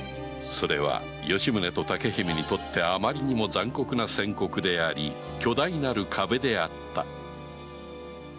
それは吉宗と竹姫にとってあまりにも残酷な宣告であり巨大なる壁であった